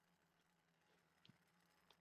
滇缅短尾鼩被发现在中国和缅甸。